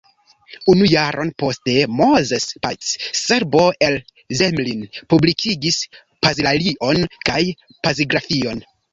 Unu jaron poste Moses Paic, Serbo el Zemlin, publikigis pazilalion kaj pazigrafion.